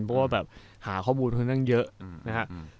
เพราะว่าแบบหาข้อมูลค่อนข้างเยอะนะครับ